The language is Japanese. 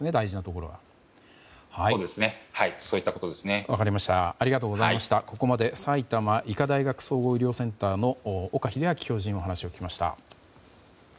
ここまで埼玉医科大学総合医療センターの岡秀昭教授にお話を聞きました。